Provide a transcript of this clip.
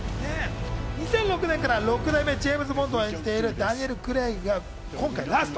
２００６年から６代目ジェーム・ズボンドを演じているダニエル・クレイグが今回ラスト。